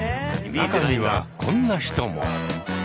中にはこんな人も。